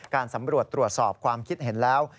การสำรวจตรวจสอบความคิดเห็นแล้ว